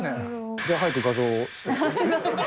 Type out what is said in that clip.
じゃあ早く画像を。